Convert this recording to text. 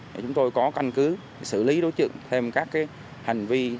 để chúng tôi có căn cứ xử lý đối tượng thêm các hành vi